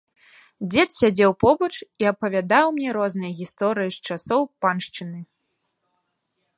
Дзед сядзеў побач і апавядаў мне розныя гісторыі з часоў паншчыны.